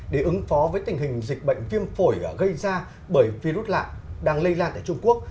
để ứng phó với tình hình dịch bệnh viêm phổi gây ra bởi virus lạ đang lây lan tại trung quốc